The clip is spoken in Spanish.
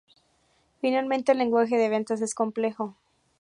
Finalmente, el lenguaje de ventas es complejo.